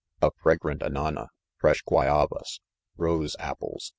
A fragrant anana, fresh guayavas, rose apples.